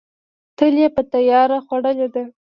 تل یې په تیار خوړلې ده.